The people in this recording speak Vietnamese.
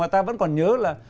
và ta vẫn còn nhớ là